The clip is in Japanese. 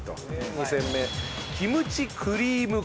２戦目キムチクリーム釜飯。